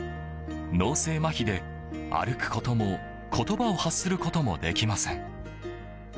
脳性まひで、歩くことも言葉を発することもできません。